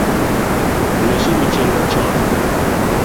Losuru chenro chon